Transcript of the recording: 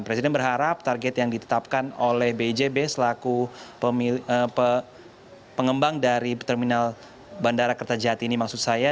presiden berharap target yang ditetapkan oleh bjb selaku pengembang dari terminal bandara kertajati ini maksud saya